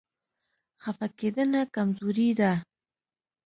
خفه کېدنه کمزوري ده.